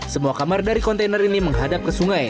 semua kamar dari kontainer ini menghadap ke sungai